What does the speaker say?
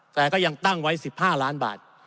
แต่ก็ยังตั้งไว้๑๕ล้านบาท